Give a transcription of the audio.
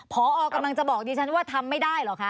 พอกำลังจะบอกดิฉันว่าทำไม่ได้เหรอคะ